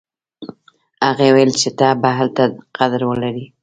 هغې ویل چې ته به هلته قدر ولرې